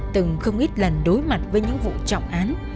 từng không ít lần đối mặt với những vụ trọng án